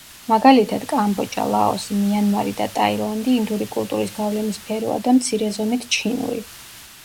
მაგალითად, კამბოჯა, ლაოსი, მიანმარი და ტაილანდი ინდური კულტურის გავლენის სფეროა და მცირე ზომით ჩინური.